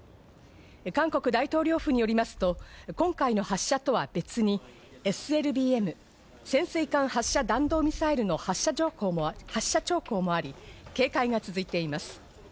韓国大統領府によりますと、今回の発射とは別にＳＬＢＭ＝潜水艦発射弾道ミサイルの発射兆候もあり、警戒が続いています。